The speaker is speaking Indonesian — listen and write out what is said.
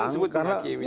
jangan sebut menghakimi